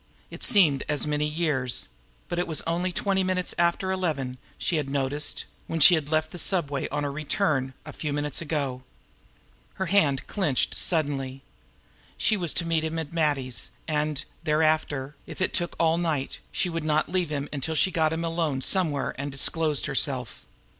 It seemed as many years; but it was only twenty minutes after eleven, she had noticed, when she had left the subway on her return a few minutes ago. Her hand clenched suddenly. She was to meet him at Matty's and, thereafter, if it took all night, she would not leave him until she had got him alone somewhere and disclosed herself.